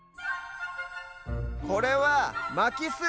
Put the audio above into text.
これは「まきす」。